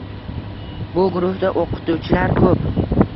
Bu guruhda o‘qituvchilar ko’p.